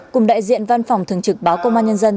cùng đại diện văn phòng thường trực báo công an nhân dân